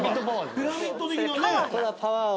ピラミッド的なね。